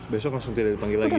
besok langsung tidak dipanggil lagi